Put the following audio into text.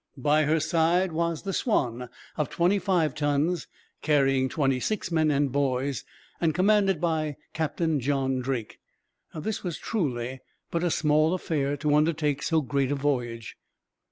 By her side was the Swanne, of twenty five tons, carrying twenty six men and boys, and commanded by Captain John Drake. This was truly but a small affair to undertake so great a voyage.